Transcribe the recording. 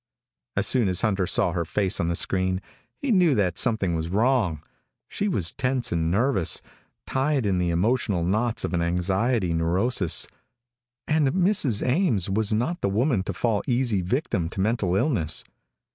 As soon as Hunter saw her face on the screen, he knew that something was wrong. She was tense and nervous, tied in the emotional knots of an anxiety neurosis. And Mrs. Ames was not the woman to fall easy victim to mental illness.